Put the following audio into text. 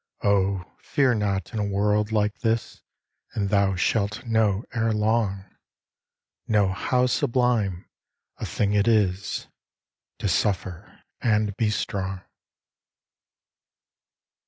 Oh, fear not in a world like this, And thou shalt know ere long, Know how sublime a thing it is To suffer and be strong.